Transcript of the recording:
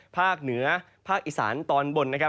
ภาคเหนือภาคอีสานตอนบนนะครับ